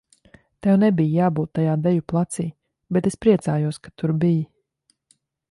Tev nebija jābūt tajā deju placī, bet es priecājos, ka tur biji.